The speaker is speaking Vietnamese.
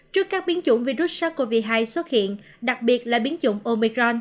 trước các biến chủng virus sars cov hai xuất hiện đặc biệt là biến chủng omicron